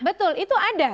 betul itu ada